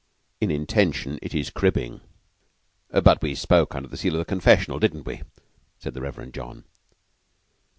"In intention it is cribbing." "But we spoke under the seal of the confessional, didn't we?" said the Reverend John.